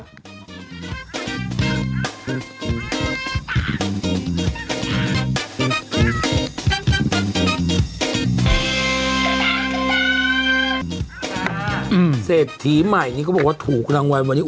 อืมเศษทีใหม่นี้ก็บอกว่าถูกครับวันนี้